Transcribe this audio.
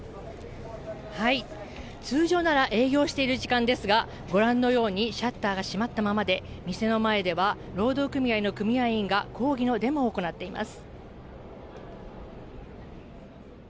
はい、通常なら営業している時間ですが、ご覧のようにシャッターが閉まったままで、店の前では労働組合の組合員が抗議のデモを行っています。